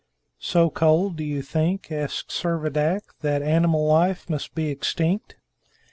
"So cold, do you think," asked Servadac, "that animal life must be extinct?"